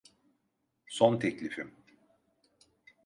Son teklifim.